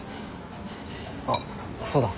あっそうだ。